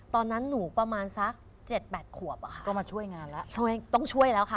ตอนนั้นหนูประมาณสักเจ็ดแปดขวบอะค่ะก็มาช่วยงานแล้วช่วยต้องช่วยแล้วค่ะ